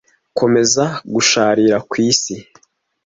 komeza gusharira kw isi